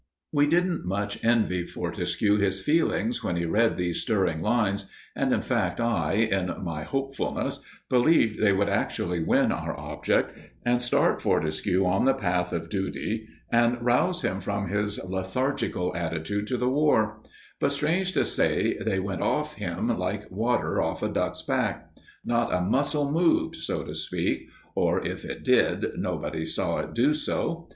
We didn't much envy Fortescue his feelings when he read these stirring lines, and in fact, I, in my hopefulness, believed they would actually win our object and start Fortescue on the path of duty and rouse him from his lethargical attitude to the war; but, strange to say, they went off him like water off a duck's back. Not a muscle moved, so to speak, or if it did nobody saw it do so.